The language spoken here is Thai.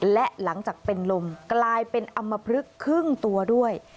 และหลังจากเป็นลมกลายเป็นอำมพลึกครึ่งตัวด้วย